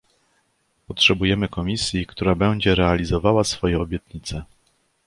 Potrzebujemy Komisji, która będzie realizowała swoje obietnice